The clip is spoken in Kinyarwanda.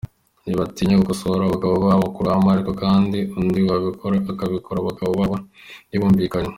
Ntibatinya gukosora abagabo babo mu ruhame ariko kandi undi wabikora abikorera abagabo babo ntibumvikane.